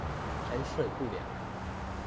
排水不良